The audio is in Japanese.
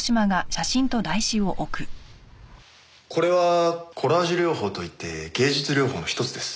これはコラージュ療法といって芸術療法の一つです。